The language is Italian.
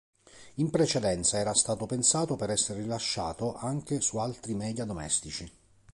In precedenza era stato pensato per essere rilasciato anche su altri media domestici.